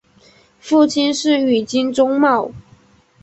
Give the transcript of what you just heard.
父亲是宇津忠茂。